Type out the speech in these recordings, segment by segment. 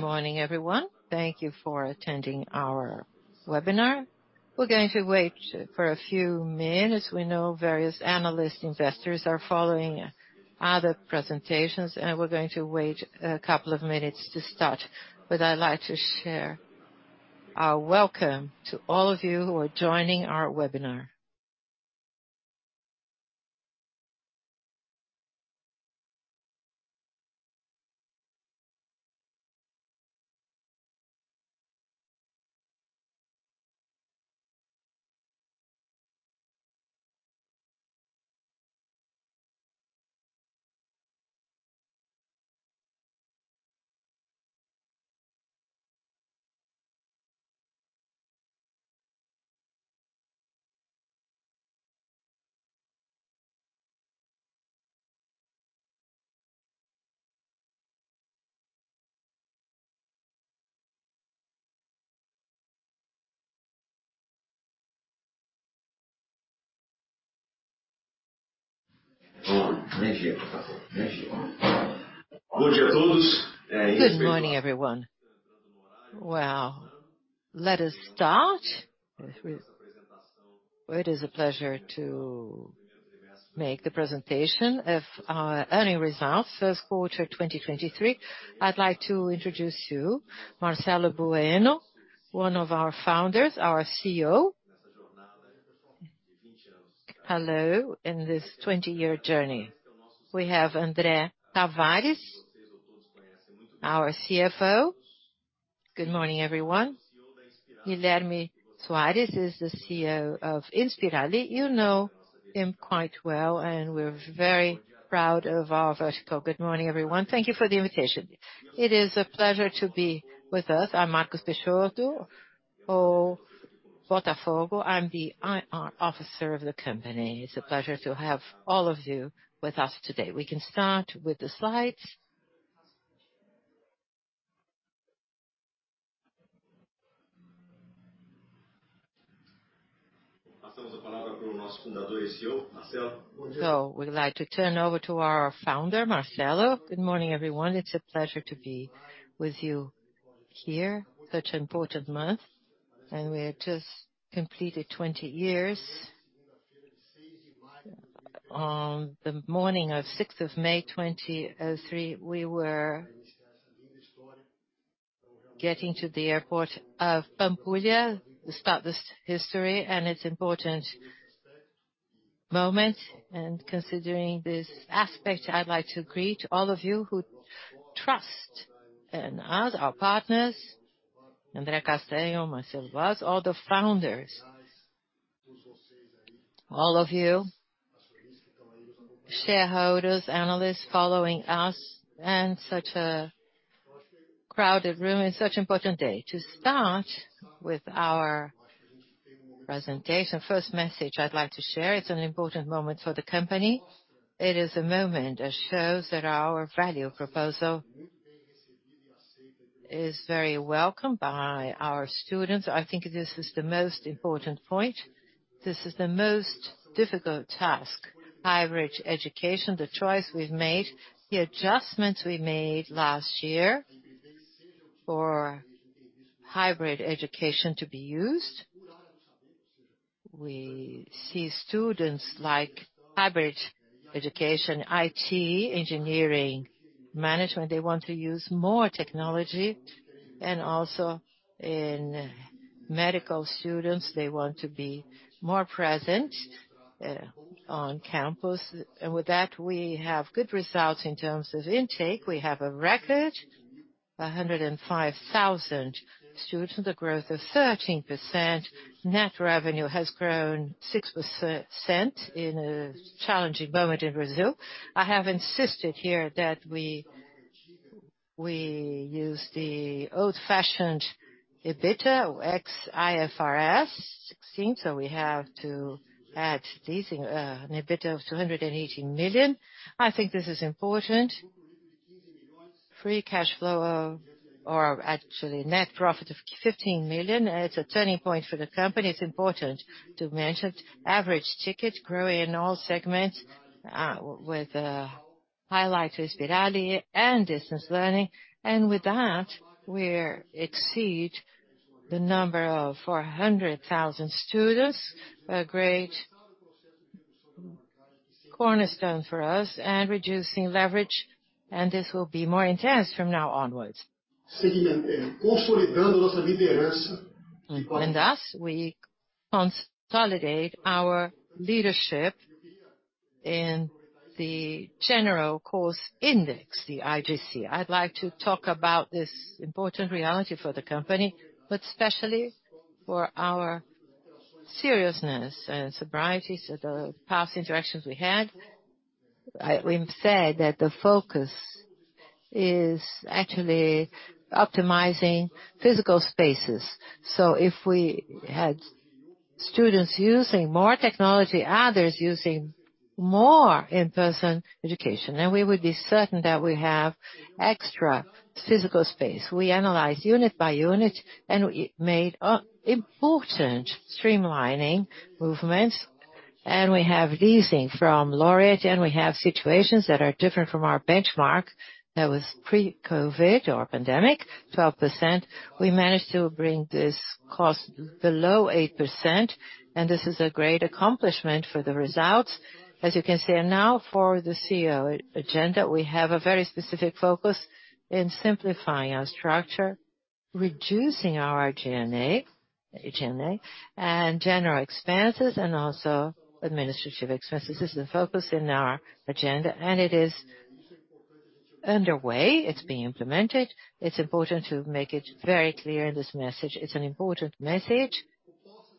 Morning, everyone. Thank you for attending our webinar. We're going to wait for a few min. As we know, various analyst investors are following other presentations, we're going to wait a couple of minutes to start. I'd like to share our welcome to all of you who are joining our webinar. Good morning, everyone. Let us start. It is a pleasure to make the presentation of our earning results first quarter, 2023. I'd like to introduce you Marcelo Bueno, one of our founders, our CEO. Hello. In this 20-year journey, we have Andre Tavares, our CFO. Good morning, everyone. Guilherme Soares is the CEO of Inspirali. You know him quite well, we're very proud of our vertical. Good morning, everyone. Thank you for the invitation. It is a pleasure to be with us. I'm Marcus Besouro Botafogo. I'm the IR officer of the company. It's a pleasure to have all of you with us today. We can start with the slides. We'd like to turn over to our founder, Marcelo. Good morning, everyone. It's a pleasure to be with you here. Such important month, we have just completed 20 years. On the morning of 6th of May, 2003, we were getting to the airport of Pampulha to start this history and its important moment. Considering this aspect, I'd like to greet all of you who trust in us, our partners, Andre Castello, Marcelo Vaz, all the founders. All of you shareholders, analysts following us, and such a crowded room and such important day. To start with our presentation, first message I'd like to share, it's an important moment for the company. It is a moment that shows that our value proposal is very welcome by our students. I think this is the most important point. This is the most difficult task. hybrid education, the choice we've made, the adjustments we made last year for hybrid education to be used. We see students like hybrid education, IT, engineering, management. They want to use more technology. Also in medical students, they want to be more present on campus. With that, we have good results in terms of intake. We have a record, 105,000 students with a growth of 13%. Net revenue has grown 6% in a challenging moment in Brazil. I have insisted here that we use the old-fashioned EBITDA or ex IFRS 16. We have to add leasing, an EBITDA of 218 million. I think this is important. Or actually net profit of 15 million. It's a turning point for the company. It's important to mention average ticket grow in all segments, with highlight to Inspirali and distance learning. With that, we exceed the number of 400,000 students. A great cornerstone for us and reducing leverage. This will be more intense from now onwards. Thus we consolidate our leadership in the General Course Index, the IGC. I'd like to talk about this important reality for the company, but especially for our seriousness and sobrieties of the past interactions we had. We said that the focus is actually optimizing physical spaces. If we had students using more technology, others using more in-person education, then we would be certain that we have extra physical space. We analyzed unit by unit, we made important streamlining movements. We have leasing from Laureate, and we have situations that are different from our benchmark. That was pre-COVID or pandemic, 12%. We managed to bring this cost below 8%, and this is a great accomplishment for the results, as you can see. Now for the CEO agenda. We have a very specific focus in simplifying our structure, reducing our G&A and general expenses and also administrative expenses. This is the focus in our agenda and it is underway. It's being implemented. It's important to make it very clear, this message. It's an important message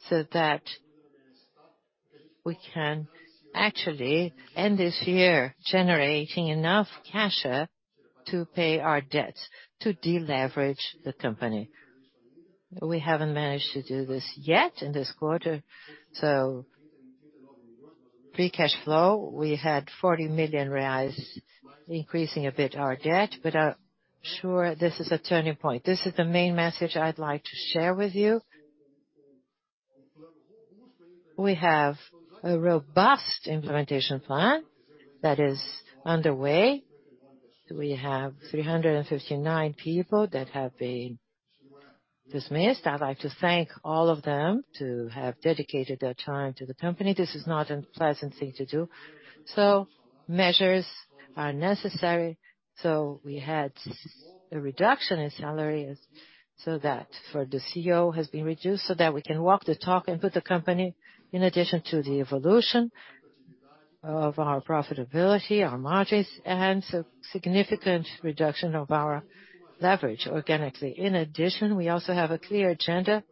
so that we can actually end this year generating enough cash to pay our debts to deleverage the company. We haven't managed to do this yet in this quarter. Free cash flow, we had 40 million reais increasing a bit our debt. Sure, this is a turning point. This is the main message I'd like to share with you. We have a robust implementation plan that is underway. We have 359 people that have been dismissed. I'd like to thank all of them to have dedicated their time to the company. This is not a pleasant thing to do. Measures are necessary. We had a reduction in salary so that for the CEO has been reduced so that we can walk the talk and put the company in addition to the evolution of our profitability, our margins, and a significant reduction of our leverage organically. In addition, we also have a clear agenda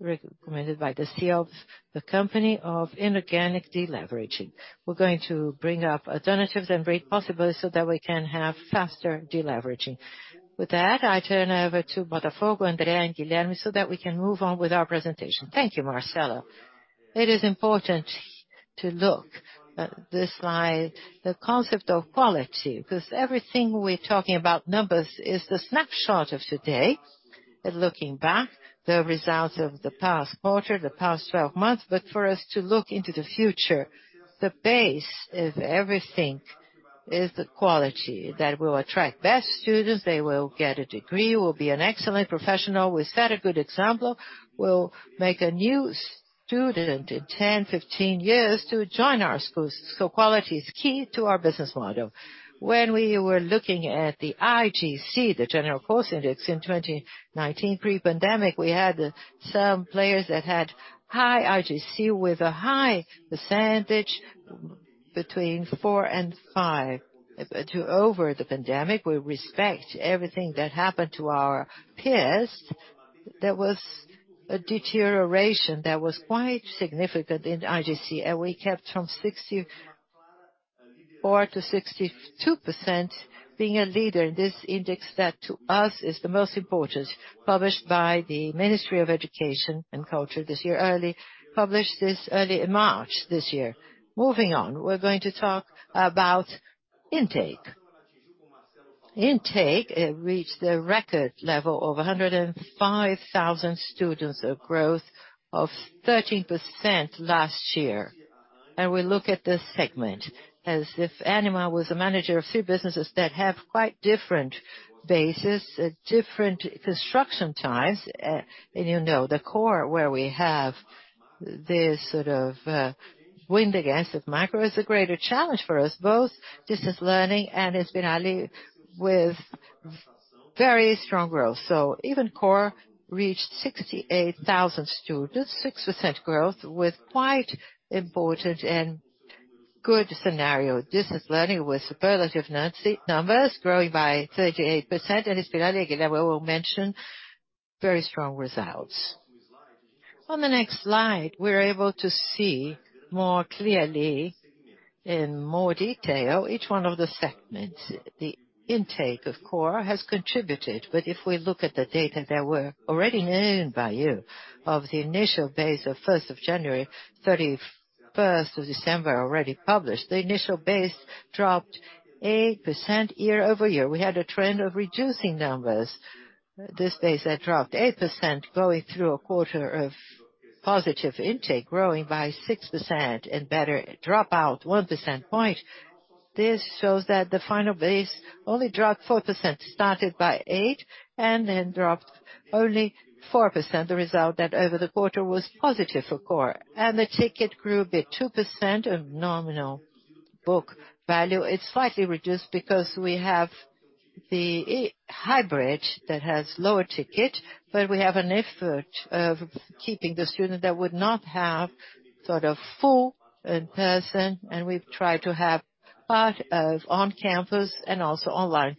recommended by the CEOs, the company of inorganic deleveraging. We're going to bring up alternatives and great possibilities so that we can have faster deleveraging. I turn over to Átila, André and Guilherme, so that we can move on with our presentation. Thank you, Marcelo. It is important to look at this slide, the concept of quality, because everything we're talking about numbers is the snapshot of today. Looking back the results of the past quarter, the past 12 months. For us to look into the future, the base of everything is the quality that will attract best students. They will get a degree, will be an excellent professional. We set a good example. We'll make a new student in 10, 15 years to join our school. Quality is key to our business model. When we were looking at the IGC, the General Course Index in 2019 pre-pandemic, we had some players that had high IGC with a high percentage between 4 and 5. Over the pandemic, we respect everything that happened to our peers. There was a deterioration that was quite significant in IGC, and we kept from 64% to 62% being a leader in this index. That to us is the most important. Published by the Ministry of Education and Culture this year. Published this early in March this year. Moving on, we're going to talk about intake. Intake reached a record level of 105,000 students, a growth of 13% last year. We look at this segment as if Ânima was a manager of few businesses that have quite different bases, different construction times. You know, the core where we have this sort of wind against it. Ânima Core is a greater challenge for us both. Distance learning and Inspirali with very strong growth. Even Ânima Core reached 68,000 students, 6% growth with quite important and good scenario. Distance learning with superlative numbers growing by 38%. Inspirali, Guilherme will mention very strong results. On the next slide, we're able to see more clearly in more detail each one of the segments. The intake of Ânima Core has contributed, if we look at the data that were already known by you of the initial base of 1st of January, 31st of December, already published, the initial base dropped 8% year-over-year. We had a trend of reducing numbers this base that dropped 8% going through a quarter of positive intake growing by 6% and better dropout 1 percentage point. This shows that the final base only dropped 4%, started by 8 and then dropped only 4%. The result that over the quarter was positive for Core and the ticket grew by 2% of nominal book value. It's slightly reduced because we have the hybrid that has lower ticket, but we have an effort of keeping the student that would not have sort of full in-person and we try to have part of on-campus and also online.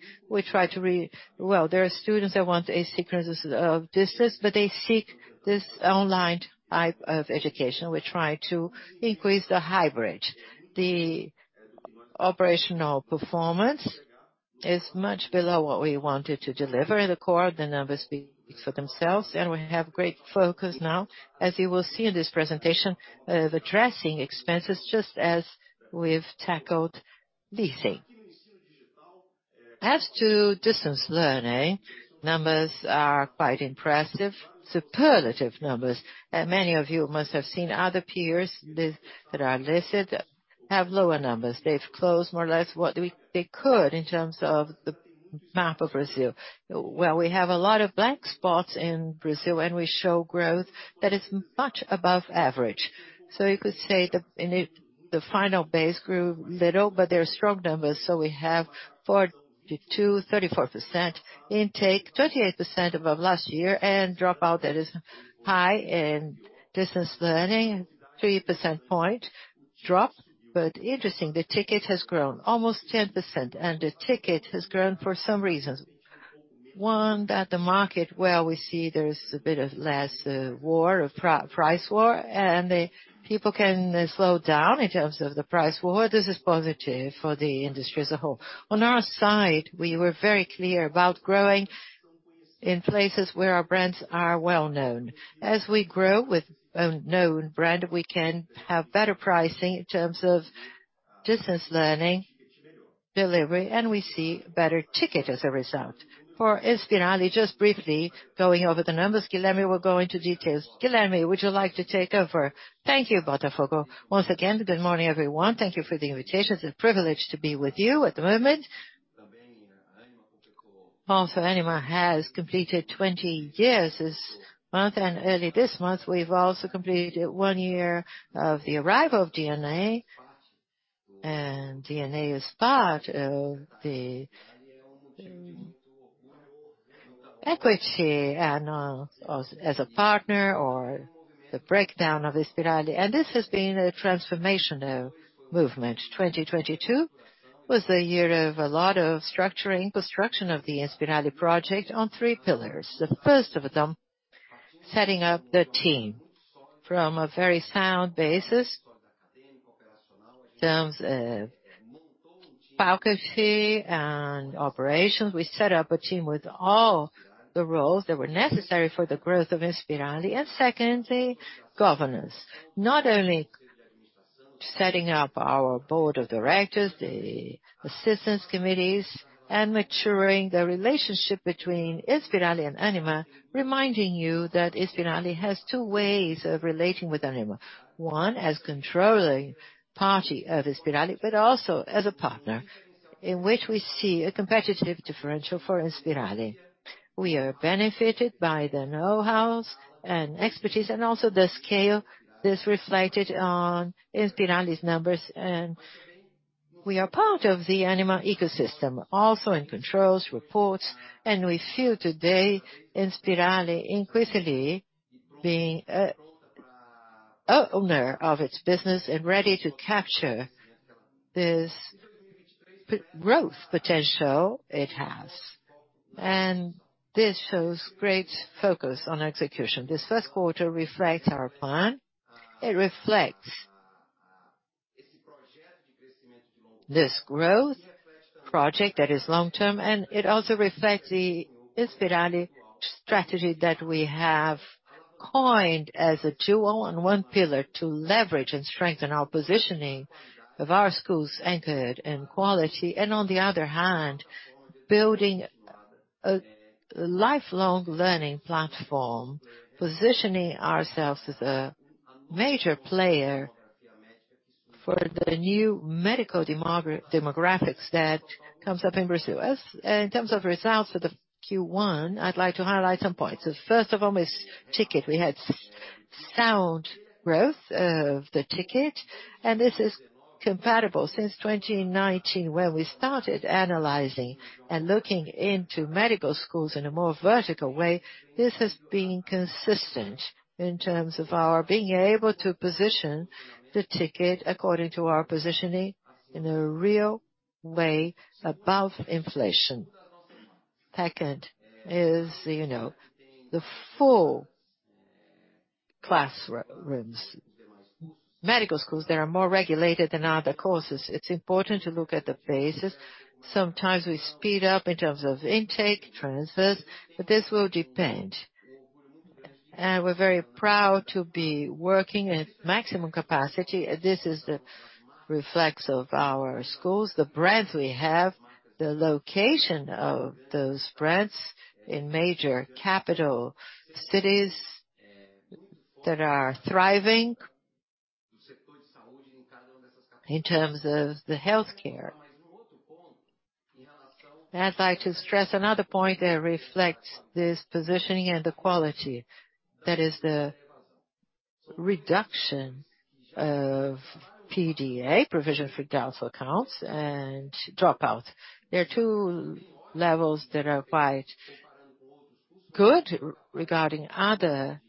Well, there are students that want a sequence of distance, but they seek this online type of education. We try to increase the hybrid. The operational performance is much below what we wanted to deliver in the core. The numbers speak for themselves and we have great focus now as you will see in this presentation of addressing expenses just as we've tackled leasing. As to distance learning, numbers are quite impressive, superlative numbers. Many of you must have seen other peers that are listed have lower numbers. They've closed more or less what they could in terms of the map of Brazil. Well, we have a lot of blank spots in Brazil, and we show growth that is much above average. You could say the final base grew little, but there are strong numbers. We have 42, 34% intake, 28% above last year and dropout that is high in distance learning, 3 percentage point drop. Interesting, the ticket has grown almost 10%. The ticket has grown for some reasons. One, that the market where we see there's a bit of less war, price war. People can slow down in terms of the price war. This is positive for the industry as a whole. On our side, we were very clear about growing in places where our brands are well-known. As we grow with a known brand, we can have better pricing in terms of distance learning delivery, and we see better ticket as a result. For Inspirali, just briefly going over the numbers, Guilherme will go into details. Guilherme, would you like to take over? Thank you, Botafogo. Once again, good morning, everyone. Thank you for the invitation. It's a privilege to be with you at the moment. Ânima has completed 20 years this month, early this month, we've also completed 1 year of the arrival of DNA. DNA is part of the equity and as a partner or the breakdown of Inspirali. This has been a transformational movement. 2022 was the year of a lot of structuring, construction of the Inspirali project on 3 pillars. The first of them, setting up the team from a very sound basis in terms of faculty and operations. We set up a team with all the roles that were necessary for the growth of Inspirali. Secondly, governance. Not only setting up our board of directors, the assistance committees, and maturing the relationship between Inspirali and Ânima, reminding you that Inspirali has 2 ways of relating with Ânima. One, as controlling party of Inspirali, but also as a partner in which we see a competitive differential for Inspirali. We are benefited by the know-hows and expertise and also the scale that's reflected on Inspirali's numbers. We are part of the Ânima ecosystem, also in controls, reports, and we feel today Inspirali increasingly being a owner of its business and ready to capture this growth potential it has. This shows great focus on execution. This first quarter reflects our plan. It reflects this growth project that is long-term, and it also reflects the Inspirali strategy that we have coined as a two-on-one pillar to leverage and strengthen our positioning of our schools anchored in quality and on the other hand, building a lifelong learning platform, positioning ourselves as a major player for the new medical demographics that comes up in Brazil. In terms of results for the Q1, I'd like to highlight some points. The first of them is ticket. We had sound growth of the ticket, and this is comparable since 2019 when we started analyzing and looking into medical schools in a more vertical way. This has been consistent in terms of our being able to position the ticket according to our positioning in a real way above inflation. Second is, you know, the full classrooms. Medical schools, they are more regulated than other courses. It's important to look at the phases. Sometimes we speed up in terms of intake, transfers, but this will depend. We're very proud to be working at maximum capacity. This is the reflects of our schools, the brands we have, the location of those brands in major capital cities that are thriving in terms of the healthcare. I'd like to stress another point that reflects this positioning and the quality. That is the reduction of PDA, provision for doubtful accounts, and dropout. There are two levels that are quite good regarding other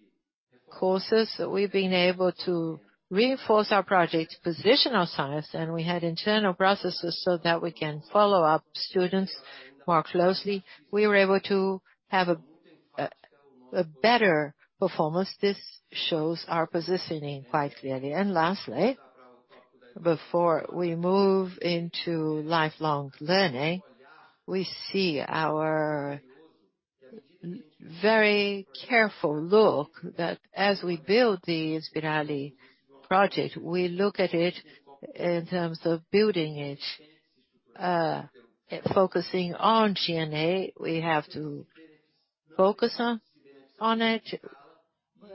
courses. We've been able to reinforce our project, position our science, and we had internal processes so that we can follow up students more closely. We were able to have a better performance. This shows our positioning quite clearly. Lastly, before we move into lifelong learning, we see our very careful look that as we build the Inspirali project, we look at it in terms of building it, focusing on G&A. We have to focus on it,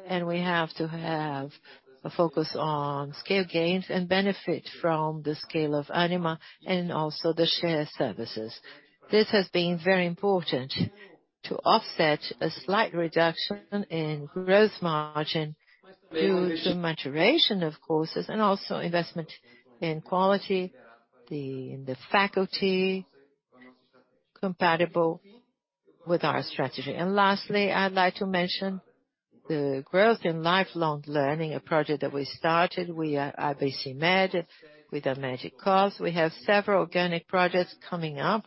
and we have to have a focus on scale gains and benefit from the scale of Ânima and also the share services. This has been very important to offset a slight reduction in growth margin due to maturation, of course, and also investment in quality, in the faculty compatible with our strategy. Lastly, I'd like to mention the growth in lifelong learning, a project that we started. We are IBCMED with our medical course. We have several organic projects coming up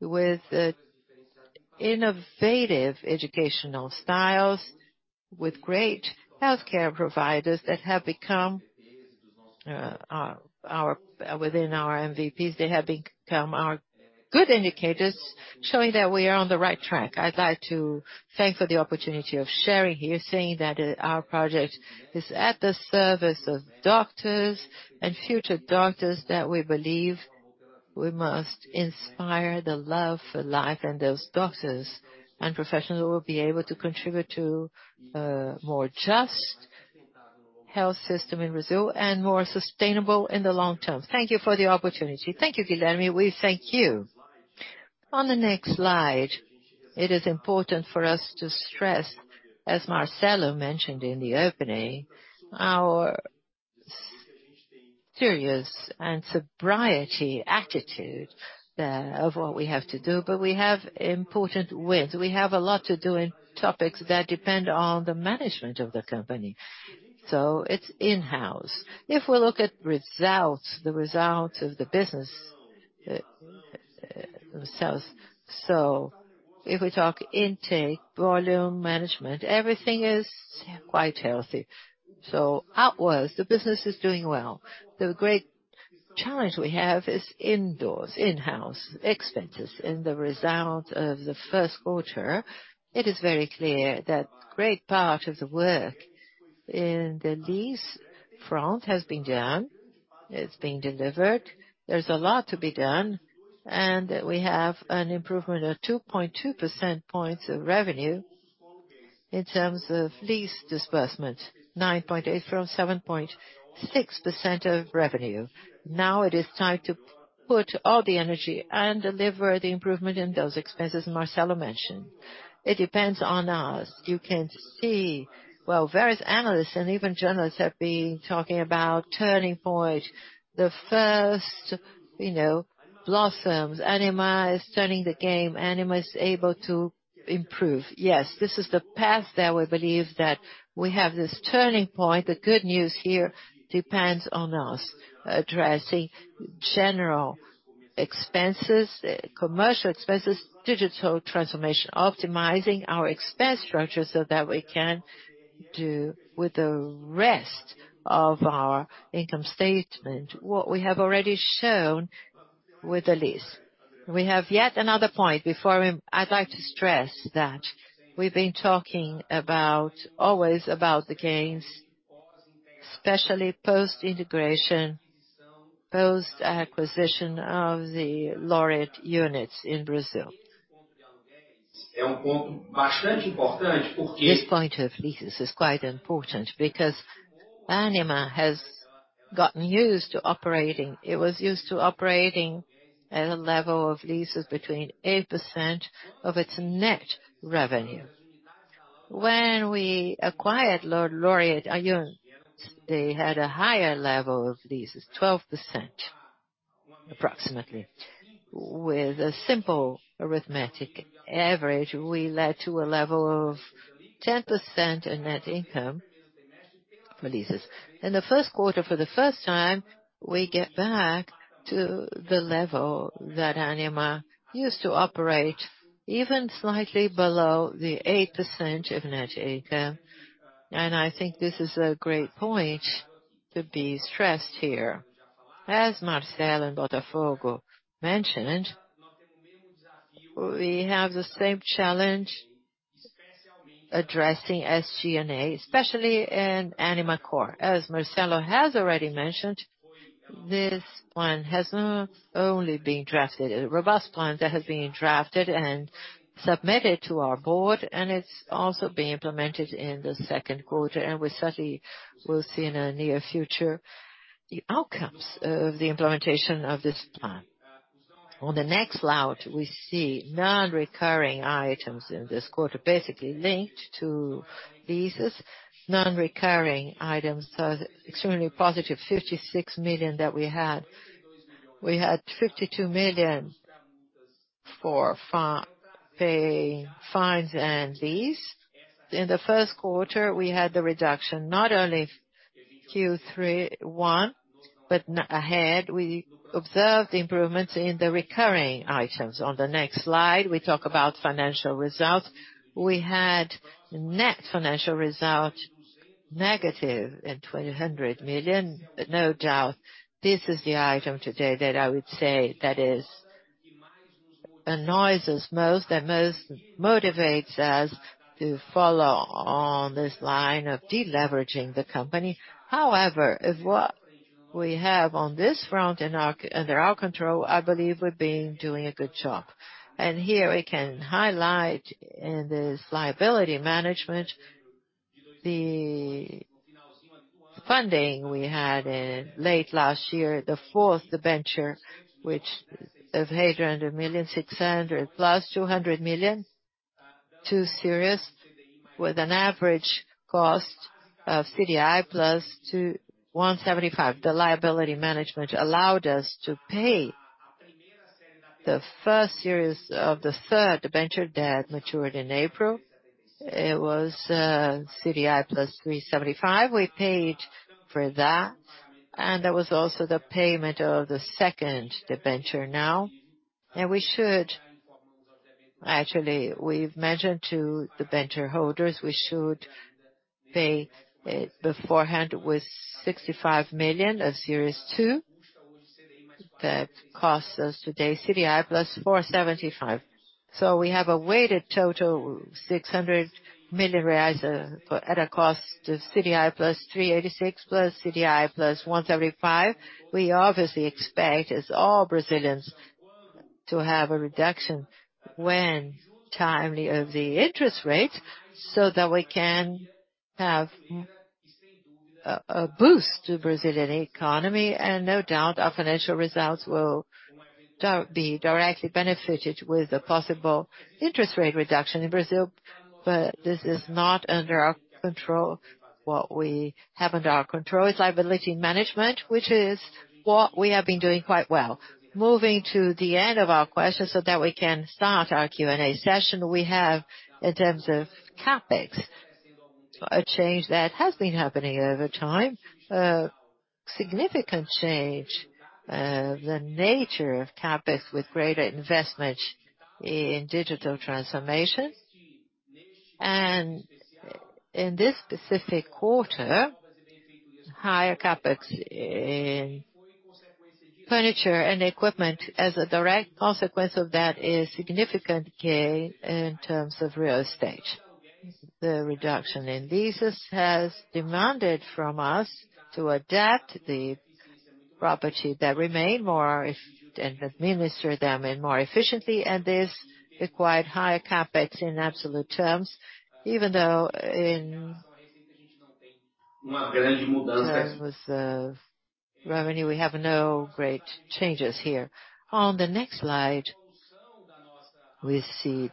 with innovative educational styles, with great healthcare providers that have become within our MVPs, they have become our good indicators showing that we are on the right track. I'd like to thank for the opportunity of sharing here, saying that our project is at the service of doctors and future doctors that we believe we must inspire the love for life and those doctors and professionals who will be able to contribute to a more just health system in Brazil and more sustainable in the long term. Thank you for the opportunity. Thank you, Guilherme. We thank you. The next slide, it is important for us to stress, as Marcelo mentioned in the opening, our serious and sobriety attitude there of what we have to do, but we have important wins. We have a lot to do in topics that depend on the management of the company, so it's in-house. If we look at results, the results of the business themselves. If we talk intake, volume management, everything is quite healthy. Outwards, the business is doing well. The great challenge we have is indoors, in-house expenses. In the result of the first quarter, it is very clear that great part of the work in the lease front has been done. It's been delivered. There's a lot to be done, and we have an improvement of 2.2 percentage points of revenue in terms of lease disbursement, 9.8% from 7.6% of revenue. Now it is time to put all the energy and deliver the improvement in those expenses Marcelo mentioned. It depends on us. You can see, well, various analysts and even journalists have been talking about turning point. The first, you know, blossoms. Ânima is turning the game. Ânima is able to improve. Yes, this is the path that we believe that we have this turning point. The good news here depends on us addressing general expenses, commercial expenses, digital transformation, optimizing our expense structure so that we can do with the rest of our income statement what we have already shown with the lease. We have yet another point I'd like to stress that we've been always about the gains, especially post-integration, post-acquisition of the Laureate units in Brazil. This point of leases is quite important because Ânima has gotten used to operating. It was used to operating at a level of leases between 8% of its net revenue. When we acquired Laureate units, they had a higher level of leases, 12% approximately. With a simple arithmetic average, we led to a level of 10% in net income for leases. In the first quarter, for the first time, we get back to the level that Ânima used to operate even slightly below the 8% of net income. I think this is a great point to be stressed here. As Marcelo Botafogo mentioned, we have the same challenge addressing SG&A, especially in Ânima Core. As Marcelo has already mentioned, this plan has not only been drafted, a robust plan that has been drafted and submitted to our board, and it's also being implemented in the second quarter. We certainly will see in the near future the outcomes of the implementation of this plan. On the next slide, we see non-recurring items in this quarter basically linked to leases. Non-recurring items are extremely positive, 56 million that we had. We had 52 million for pay fines and lease. In the first quarter, we had the reduction not only Q31, but ahead we observed improvements in the recurring items. On the next slide, we talk about financial results. We had net financial result negative at 2,000 million. No doubt this is the item today that I would say that is and annoys us most and most motivates us to follow on this line of deleveraging the company. However, if what we have on this front in our, under our control, I believe we're being doing a good job. Here we can highlight in this liability management, the funding we had in late last year, the fourth debenture, which is 800 million 600 million plus 200 million, two series, with an average cost of CDI plus 175. The liability management allowed us to pay the first series of the third debenture debt matured in April. It was CDI plus 375. We paid for that, and that was also the payment of the second debenture now. Actually, we've mentioned to the debenture holders, we should pay beforehand with 65 million of Series Two. That costs us today CDI plus 475. We have a weighted total 600 million reais at a cost to CDI plus 386, plus CDI plus 175. We obviously expect, as all Brazilians, to have a reduction when timely of the interest rate, so that we can have a boost to Brazilian economy. No doubt, our financial results will be directly benefited with a possible interest rate reduction in Brazil. This is not under our control. What we have under our control is liability management, which is what we have been doing quite well. Moving to the end of our questions so that we can start our Q&A session, we have, in terms of CapEx, a change that has been happening over time. A significant change, the nature of CapEx, with greater investment in digital transformation. In this specific quarter, higher CapEx in furniture and equipment as a direct consequence of that is significant gain in terms of real estate. The reduction in leases has demanded from us to adapt the property that remain and administer them more efficiently, and this required higher CapEx in absolute terms, even though in terms of revenue, we have no great changes here. On the next slide, we see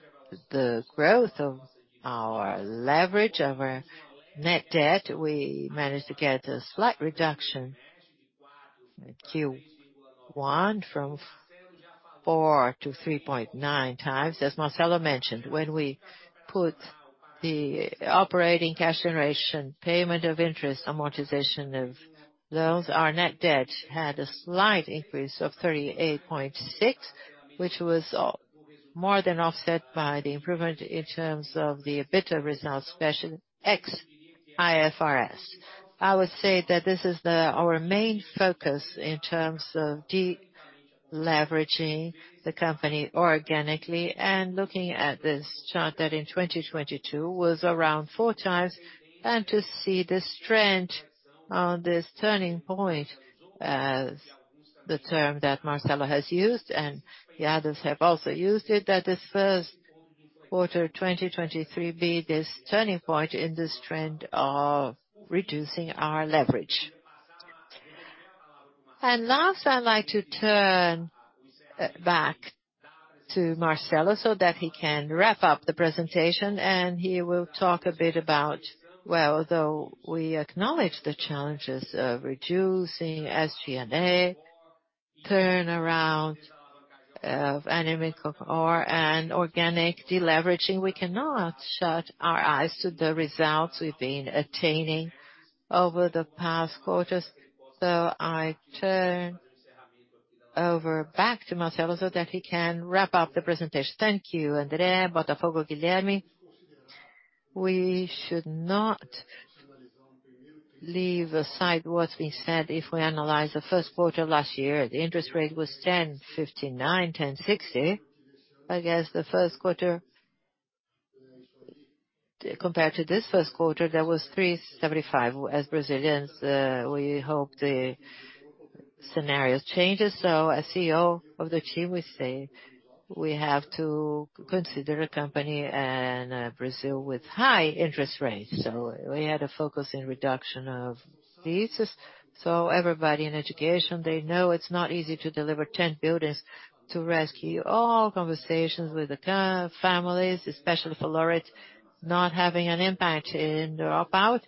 the growth of our leverage, of our net debt. We managed to get a slight reduction in Q1 from 4 to 3.9 times. As Marcelo mentioned, when we put the operating cash generation, payment of interest, amortization of loans, our net debt had a slight increase of 38.6, which was more than offset by the improvement in terms of the EBITDA results, especially ex-IFRS. I would say that this is our main focus in terms of deleveraging the company organically and looking at this chart that in 2022 was around 4 times, to see this trend on this turning point, the term that Marcelo has used and the others have also used it, that this first quarter, 2023, be this turning point in this trend of reducing our leverage. Last, I'd like to turn back to Marcelo so that he can wrap up the presentation, and he will talk a bit about, well, although we acknowledge the challenges of reducing SG&A, turnaround of Anima Core and organic deleveraging, we cannot shut our eyes to the results we've been attaining over the past quarters. I turn over back to Marcelo so that he can wrap up the presentation. Thank you, Andrea Botafogo Guilherme. We should not leave aside what's been said. If we analyze the first quarter of last year, the interest rate was 10.59%, 10.60%. Against the first quarter, compared to this first quarter, that was 3.75%. As Brazilians, we hope the scenario changes. As CEO of the team, we say we have to consider a company and Brazil with high interest rates. We had a focus in reduction of leases. Everybody in education, they know it's not easy to deliver 10 buildings to rescue all conversations with the families, especially for laureates, not having an impact in the dropout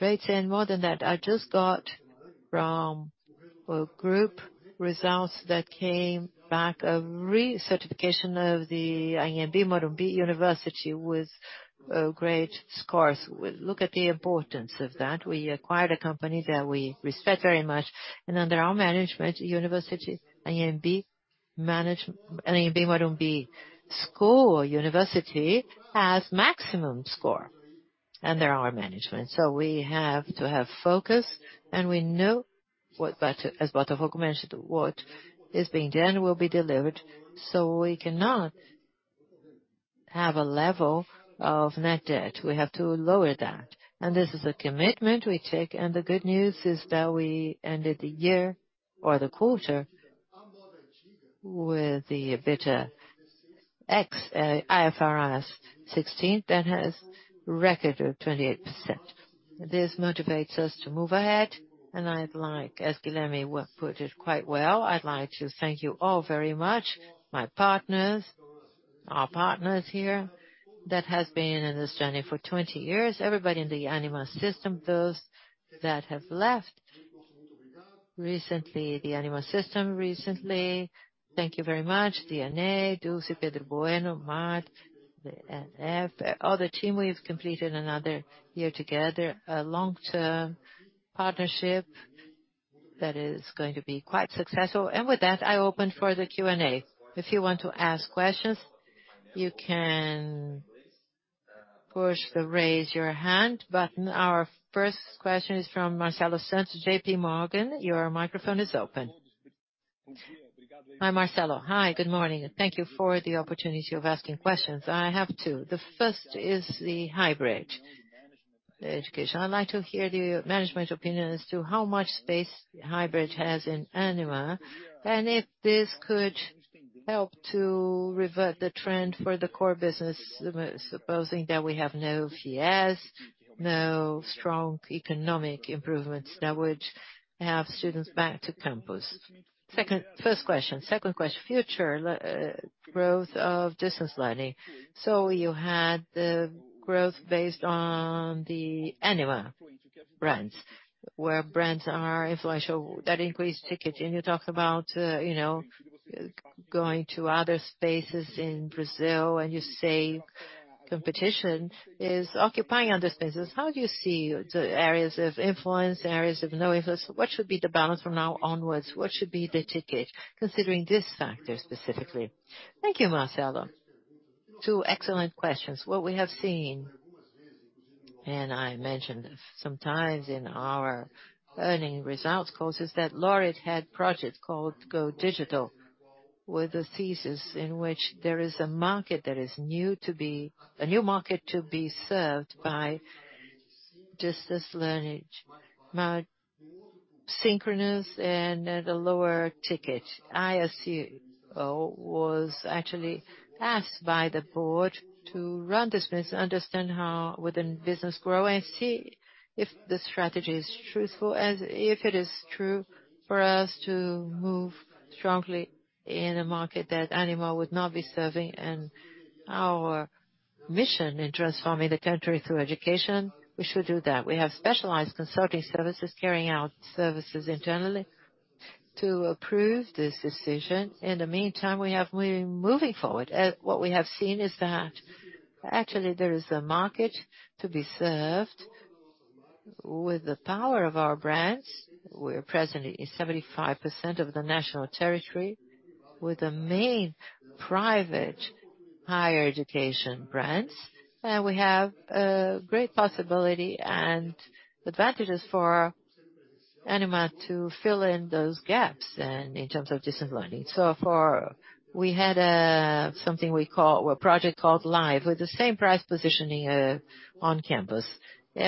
rates. More than that, I just got from a group results that came back, a recertification of the Universidade Anhembi Morumbi with great scores. We look at the importance of that. We acquired a company that we respect very much and under our management university Universidade Anhembi Morumbi or university has maximum score under our management. We have to have focus and we know what but as Átila Simões da Cunha mentioned, what is being done will be delivered. We cannot have a level of net debt. We have to lower that. This is a commitment we take. The good news is that we ended the year or the quarter with the EBITDA ex IFRS 16 that has record of 28%. This motivates us to move ahead, and I'd like, as Guilherme put it quite well, I'd like to thank you all very much, my partners, our partners here, that has been in this journey for 20 years. Everybody in the Ânima system, those that have left recently, the Ânima system recently. Thank you very much. Diana, Dulce, Pedro Bueno, Matteo, Naders all the team. We've completed another year together, a long-term partnership that is going to be quite successful. With that, I open for the Q&A. If you want to ask questions, you can push the Raise Your Hand button. Our first question is from Marcelo from, JP Morgan. Your microphone is open. Hi, Marcelo. Hi, good morning. Thank you for the opportunity of asking questions. I have two. The first is the hybrid education. I'd like to hear the management opinion as to how much space hybrid has in Ânima, and if this could help to revert the trend for the core business, supposing that we have no fees, no strong economic improvements that would have students back to campus. First question. Second question, future growth of distance learning. You had the growth based on the Ânima brands, where brands are influential, that increased ticket, and you talked about, you know, going to other spaces in Brazil, and you say competition is occupying other spaces. How do you see the areas of influence, areas of no influence? What should be the balance from now onwards? What should be the ticket, considering this factor specifically? Thank you, Marcelo. Two excellent questions. What we have seen, I mentioned this sometimes in our earnings results calls, is that Laureate had projects called Go Digital, with a thesis in which there is a new market to be served by distance learning, more synchronous and at a lower ticket. ISU was actually asked by the board to run this business, understand how would the business grow, and see if the strategy is true for us to move strongly in a market that Ânima would not be serving. Our mission in transforming the country through education, we should do that. We have specialized consulting services, carrying out services internally to approve this decision. In the meantime, we're moving forward. What we have seen is that actually there is a market to be served with the power of our brands. We're present in 75% of the national territory with the main private higher education brands. We have a great possibility and advantages for Ânima to fill in those gaps in terms of distance learning. We had a project called Live with the same price positioning on-campus.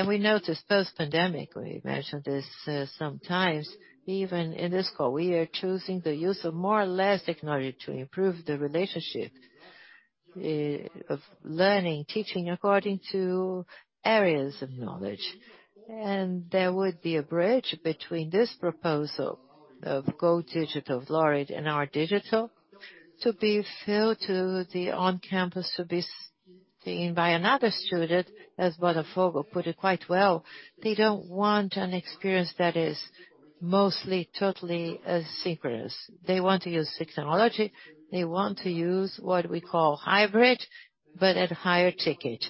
We noticed post-pandemic, we mentioned this sometimes even in this call, we are choosing the use of more or less technology to improve the relationship of learning, teaching according to areas of knowledge. There would be a bridge between this proposal of Go Digital, Laureate, and our digital to be filled to the on-campus to be seen by another student, as Botafogo put it quite well. They don't want an experience that is mostly, totally synchronous. They want to use technology. They want to use what we call hybrid, but at higher ticket.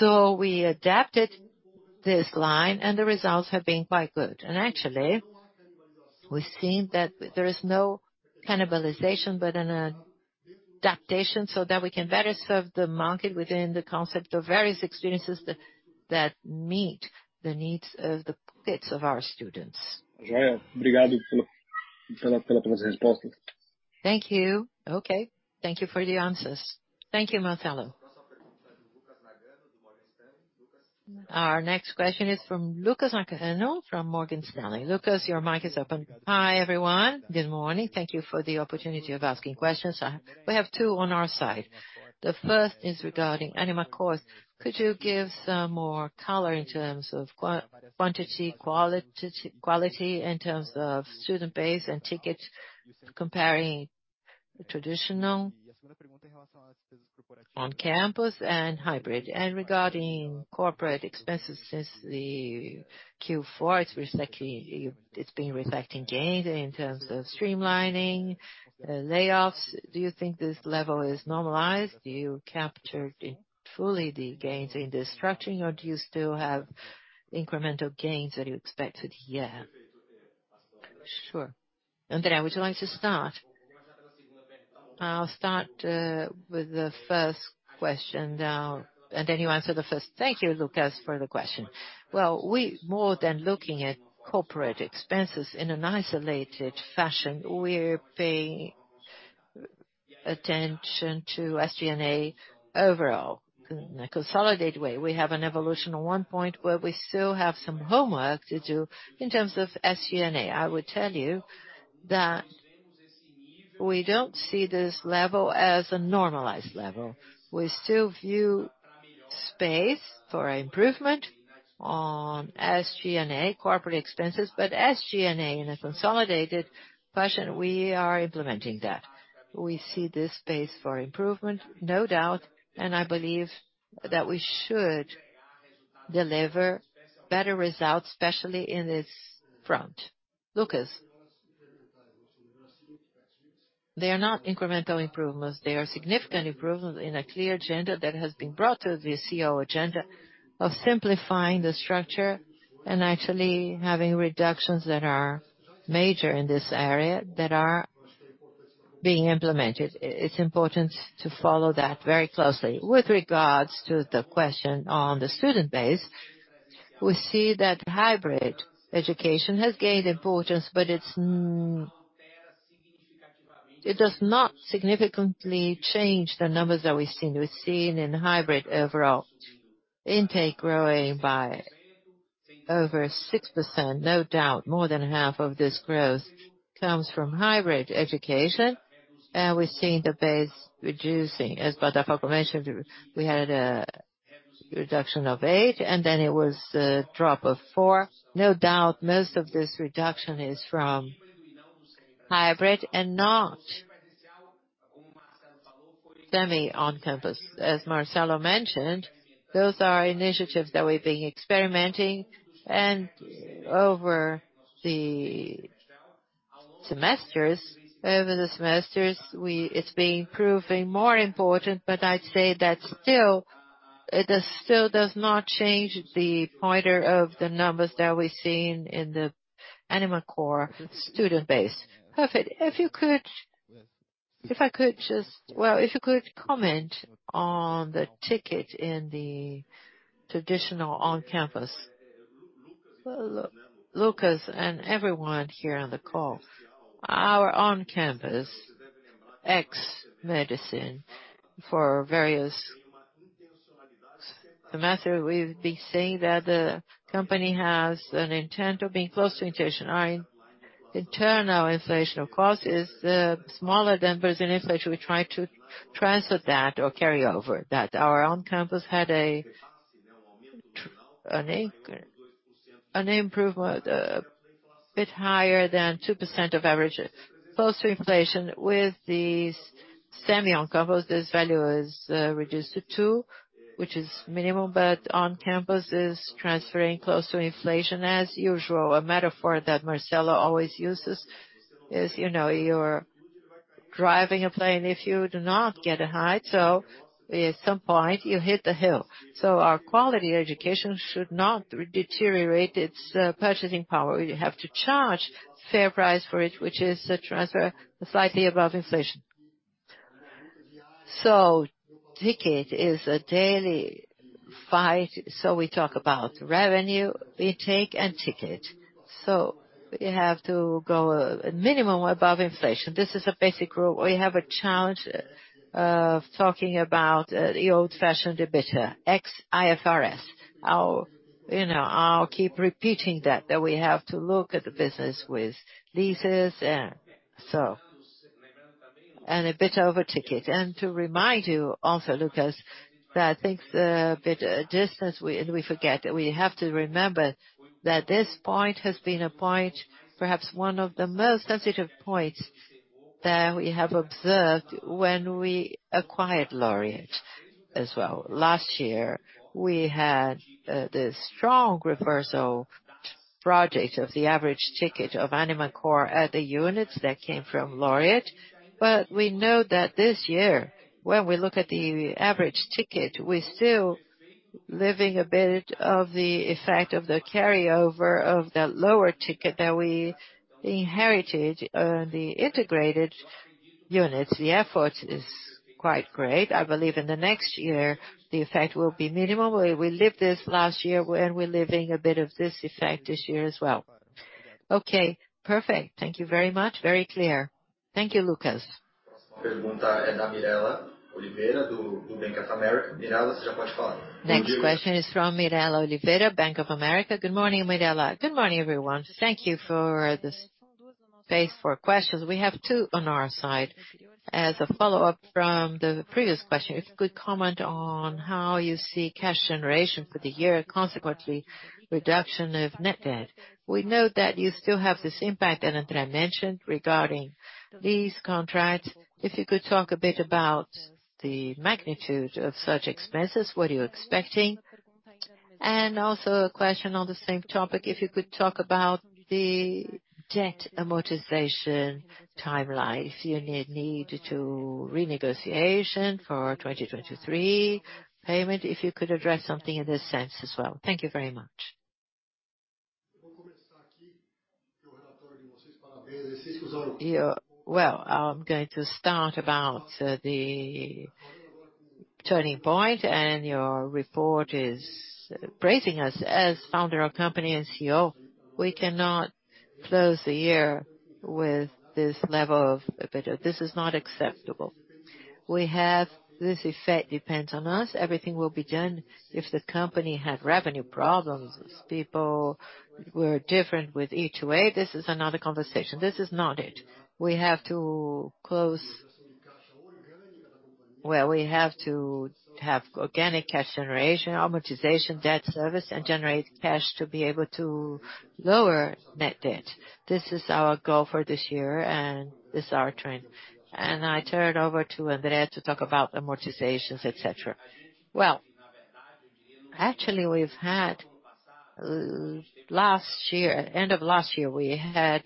We adapted this line and the results have been quite good. Actually, we've seen that there is no cannibalization, but an adaptation so that we can better serve the market within the concept of various experiences that meet the needs of the kids, of our students. Thank you. Okay. Thank you for the answers. Thank you, Marcelo. Our next question is from Lucas Nagano from Morgan Stanley. Lucas, your mic is open. Hi, everyone. Good morning. Thank you for the opportunity of asking questions. We have two on our side. The first is regarding Ânima Core. Could you give some more color in terms of quantity, quality in terms of student base and tickets comparing traditional on campus and hybrid? Regarding corporate expenses since the Q4, it's been reflecting gains in terms of streamlining, layoffs. Do you think this level is normalized? Do you capture fully the gains in the structuring, or do you still have incremental gains that you expected here? Sure. Andrea, would you like to start? I'll start with the first question now, and then you answer the first. Thank you, Lucas, for the question. Well, more than looking at corporate expenses in an isolated fashion, we're paying attention to SG&A overall, in a consolidated way. We have an evolution on one point where we still have some homework to do in terms of SG&A. I would tell you that we don't see this level as a normalized level. We still view space for improvement on SG&A corporate expenses, but SG&A in a consolidated fashion, we are implementing that. We see this space for improvement, no doubt. I believe that we should deliver better results, especially in this front. Lucas. They are not incremental improvements, they are significant improvements in a clear agenda that has been brought to the CEO agenda of simplifying the structure and actually having reductions that are major in this area that are being implemented. It's important to follow that very closely. With regards to the question on the student base, we see that hybrid education has gained importance. It does not significantly change the numbers that we've seen. We've seen in hybrid overall intake growing by over 6%. No doubt, more than half of this growth comes from hybrid education. We're seeing the base reducing. As Marina Gelman mentioned, we had a reduction of 8. It was a drop of 4. No doubt, most of this reduction is from hybrid and not semi-on-campus. As Marcelo mentioned, those are initiatives that we've been experimenting, and over the semesters, it's been proving more important. I'd say that still does not change the pointer of the numbers that we're seeing in the Ânima Core student base. Perfect. If I could just, if you could comment on the ticket in the traditional on-campus. Lucas and everyone here on the call, our on-campus, ex medicine for various semester, we've been saying that the company has an intent of being close to inflation. Our internal inflation, of course, is smaller than Brazilian inflation. We try to transfer that or carry over that. Our on-campus had an improvement a bit higher than 2% of average close to inflation. With these semi-on-campus, this value is reduced to 2, which is minimum, but on-campus is transferring close to inflation as usual. A metaphor that Marcelo Bueno always uses is, you know, you're driving a plane. If you do not get a height, so at some point you hit the hill. Our quality education should not deteriorate its purchasing power. We have to charge fair price for it, which is a transfer slightly above inflation. Ticket is a daily fight. We talk about revenue intake and ticket. We have to go a minimum above inflation. This is a basic rule. We have a challenge of talking about the old-fashioned EBITDA, ex IFRS. I'll, you know, I'll keep repeating that we have to look at the business with leases and so. A bit of a ticket. To remind you also, Lucas, that I think the bit distance we forget, we have to remember that this point has been a point, perhaps one of the most sensitive points that we have observed when we acquired Laureate as well. Last year, we had this strong reversal project of the average ticket of Ânima Core at the units that came from Laureate. We know that this year, when we look at the average ticket, we're still living a bit of the effect of the carryover of that lower ticket that we inherited on the integrated units. The effort is quite great. I believe in the next year the effect will be minimum. We lived this last year and we're living a bit of this effect this year as well. Okay, perfect. Thank you very much. Very clear. Thank you, Lucas. Next question is from Mirella Oliveira, Bank of America. Good morning, Mirela. Good morning, everyone. Thank you for the space for questions. We have two on our side. As a follow-up from the previous question, if you could comment on how you see cash generation for the year, consequently reduction of net debt. We know that you still have this impact that Andrea mentioned regarding these contracts. If you could talk a bit about the magnitude of such expenses, what are you expecting? Also a question on the same topic, if you need to renegotiation for 2023 payment, if you could address something in this sense as well. Thank you very much. Well, I'm going to start about the turning point and your report is praising us. As founder of company and CEO, we cannot close the year with this level of EBITDA. This is not acceptable. We have this effect depends on us. Everything will be done. If the company had revenue problems, people were different with E2A, this is another conversation. This is not it. We have to close. Well, we have to have organic cash generation, amortization, debt service, and generate cash to be able to lower net debt. This is our goal for this year, and this is our trend. I turn over to André to talk about amortizations, et cetera. Actually, we've had end of last year, we had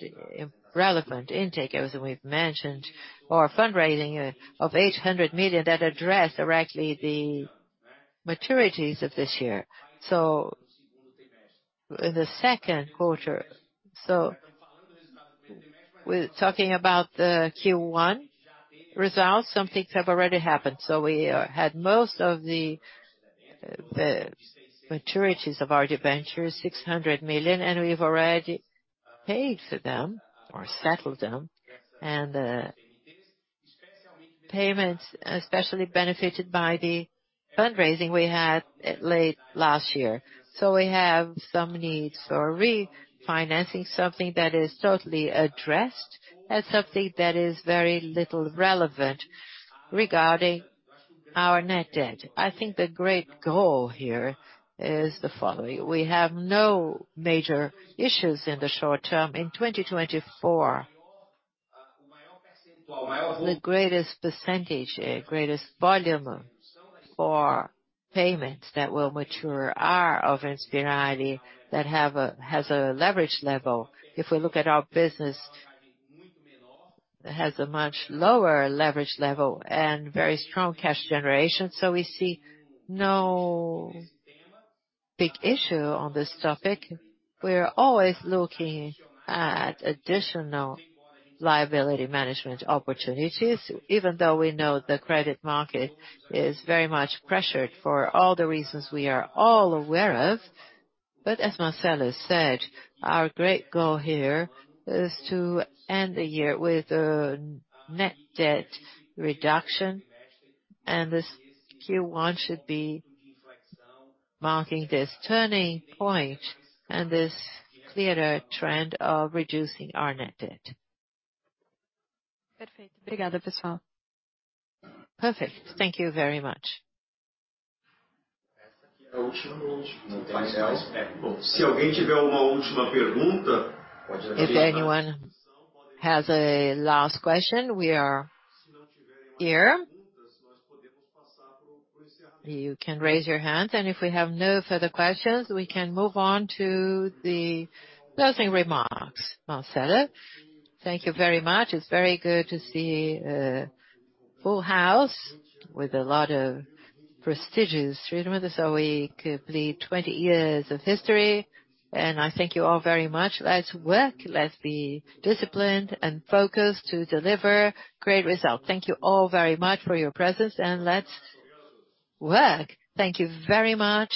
relevant intake, as we've mentioned, or fundraising of 800 million that addressed directly the maturities of this year. In the second quarter. We're talking about the Q1 results, some things have already happened. We had most of the maturities of our debentures, 600 million, and we've already paid for them or settled them. Payments, especially benefited by the fundraising we had late last year. We have some needs for refinancing something that is totally addressed and something that is very little relevant regarding our net debt. I think the great goal here is the following. We have no major issues in the short term. In 2024, the greatest percentage, greatest volume for payments that will mature are of Inspirali that has a leverage level. If we look at our business, it has a much lower leverage level and very strong cash generation. We see no big issue on this topic. We're always looking at additional liability management opportunities, even though we know the credit market is very much pressured for all the reasons we are all aware of. As Marcelo said, our great goal here is to end the year with a net debt reduction, and this Q1 should be marking this turning point and this clearer trend of reducing our net debt. Perfect. Thank you very much. If anyone has a last question, we are here. You can raise your hand. If we have no further questions, we can move on to the closing remarks. Marcelo. Thank you very much. It's very good to see a full house with a lot of prestigious treatment as how we complete 20 years of history. I thank you all very much. Let's work, let's be disciplined and focused to deliver great results. Thank you all very much for your presence and let's work. Thank you very much.